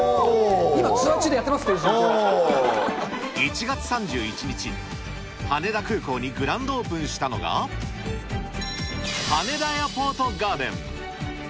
今、ツアー中でやってます、１月３１日、羽田空港にグランドオープンしたのが、羽田エアポートガーデン。